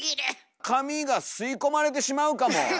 髪が吸い込まれてしまうかも。